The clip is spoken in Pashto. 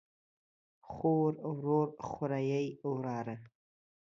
خور، ورور، خوریئ ،وراره